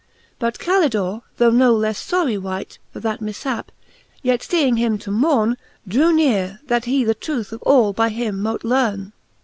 But Calidorey though no ieffe fory wight For that mifhap, yet fjeing him to mourne, Drew neare, that he the truth of all by him mote learne.